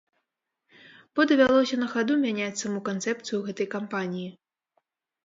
Бо давялося на хаду мяняць саму канцэпцыю гэтай кампаніі.